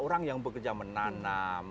orang yang bekerja menanam